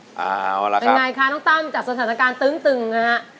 เป็นยังไงคะน้องตั้มจากสถานการณ์ตึงนะครับ